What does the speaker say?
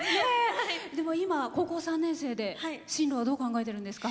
今、高校３年生で進路はどう考えてるんですか？